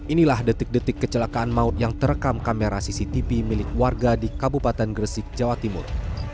inilah detik detik kecelakaan maut yang terekam kamera cctv milik warga di kabupaten gresik jawa timur